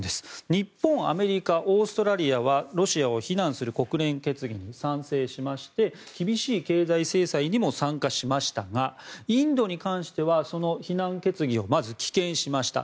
日本、アメリカオーストラリアはロシアを非難する国連決議に賛成しまして厳しい経済制裁にも参加しましたがインドに関してはその非難決議を棄権しました。